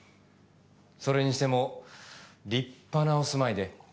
それにしても立派なお住まいで。